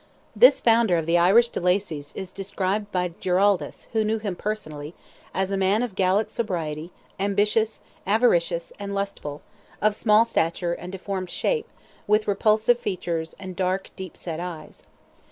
This founder of the Irish de Lacys is described by Giraldus, who knew him personally, as a man of Gallic sobriety, ambitious, avaricious, and lustful, of small stature, and deformed shape, with repulsive features, and dark, deep set eyes.